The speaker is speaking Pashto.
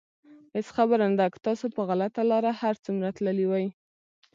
هېڅ خبره نه ده که تاسو په غلطه لاره هر څومره تللي وئ.